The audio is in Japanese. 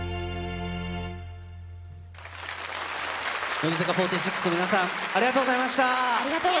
乃木坂４６の皆さん、ありがとうございました。